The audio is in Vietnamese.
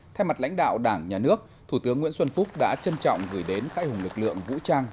theo mặt lãnh đạo đảng nhà nước thủ tướng nguyễn xuân phúc đã trân trọng gửi đến khai hùng lực lượng vũ trang